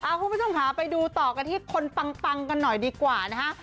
คุณผู้ชมค่ะไปดูต่อกันที่คนปังกันหน่อยดีกว่านะฮะ